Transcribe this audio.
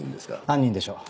犯人でしょう。